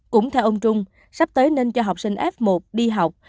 cũng theo ông trung sắp tới nên cho học sinh f một đi học